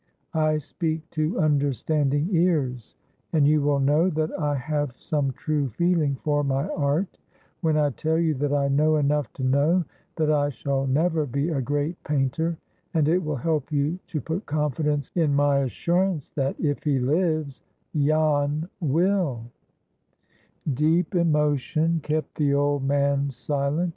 I speak to understanding ears, and you will know that I have some true feeling for my art, when I tell you that I know enough to know that I shall never be a great painter; and it will help you to put confidence in my assurance that, if he lives, Jan will." Deep emotion kept the old man silent.